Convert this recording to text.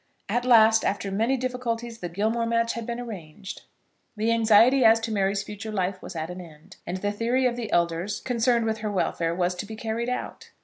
At last, after many difficulties, the Gilmore match had been arranged. The anxiety as to Mary's future life was at an end, and the theory of the elders concerned with her welfare was to be carried out.